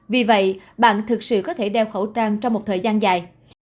vì vậy bạn thực sự có thể đeo khẩu trang trong một thời gian dài